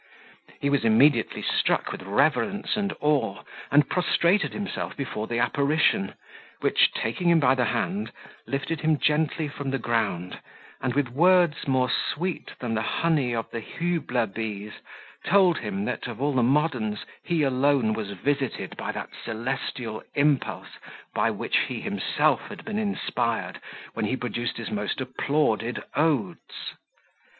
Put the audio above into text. He was immediately struck with reverence and awe, and prostrated himself before the apparition, which, taking him by the hand, lifted him gently from the ground and, with words more sweet than the honey of the Hybla bees, told him, that, of all the moderns, he alone was visited by that celestial impulse by which he himself had been inspired, when he produced his most applauded odes.